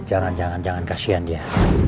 jangan jangan kasihan dia